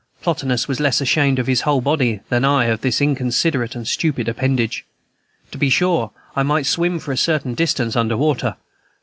Plotinus was less ashamed of his whole body than I of this inconsiderate and stupid appendage. To be sure, I might swim for a certain distance under water.